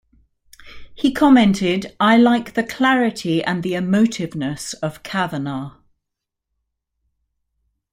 He commented: I like the clarity and the emotiveness of Kavanagh.